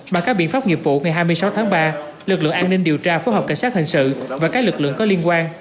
bằng các biện pháp nghiệp vụ ngày hai mươi sáu tháng ba lực lượng an ninh điều tra phối hợp cảnh sát hình sự và các lực lượng có liên quan